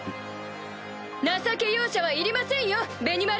情け容赦はいりませんよベニマル！